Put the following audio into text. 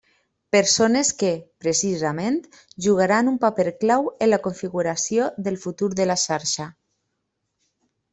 Persones que, precisament, jugaran un paper clau en la configuració del futur de la xarxa.